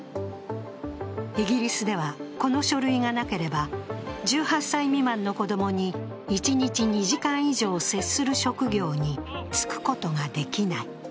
イギリスでは、この書類がなければ１８歳未満の子どもに一日２時間以上接する職業に就くことができない。